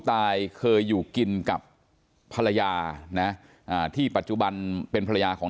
เคยอยู่กินกับภรรยานะอ่าที่ปัจจุบันเป็นภรรยาของ